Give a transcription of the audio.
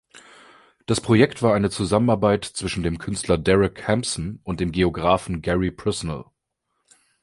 Das Projekt war eine Zusammenarbeit zwischen dem Künstler Derek Hampson und dem Geografen Gary Priestnall.